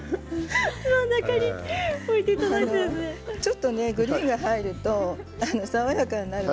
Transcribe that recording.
ちょっとねグリーンが入ると爽やかになります。